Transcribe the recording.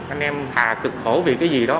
anh em thà cực khổ vì cái gì đó